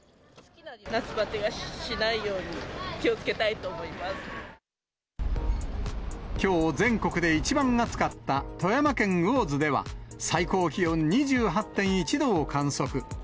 夏バテしないように、気をつきょう、全国で一番暑かった富山県魚津では、最高気温２８．１度を観測。